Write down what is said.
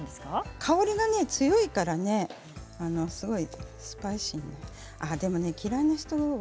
香りが強いからすごいスパイシー。